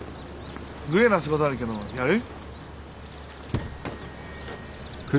グレーな仕事あるけどやる？